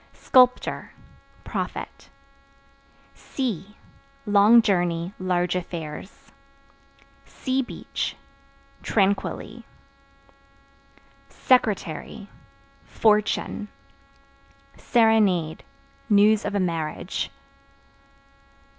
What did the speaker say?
Sculptor Profit. Sea Long journey, large affairs. Seabeach Tranquilly. Secretary Fortune. Serenade News of a marriage.